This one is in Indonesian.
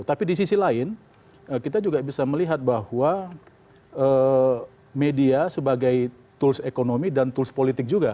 tapi di sisi lain kita juga bisa melihat bahwa media sebagai tools ekonomi dan tools politik juga